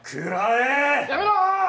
やめろ。